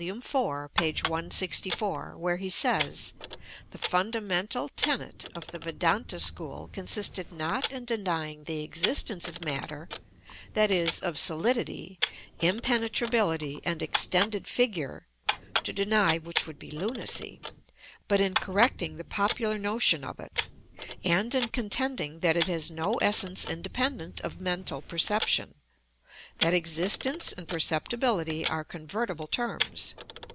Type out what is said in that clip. iv. p. 164), where he says, "The fundamental tenet of the Vedanta school consisted not in denying the existence of matter, that is, of solidity, impenetrability, and extended figure (to deny which would be lunacy), but in correcting the popular notion of it, and in contending that it has no essence independent of mental perception; that existence and perceptibility are convertible terms."